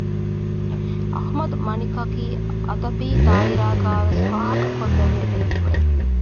އަޙްމަދު މަނިކަކީ އަދަބީ ދާއިރާގައި ވެސް ފާހަގަ ކޮށްލެވޭ ބޭފުޅެއް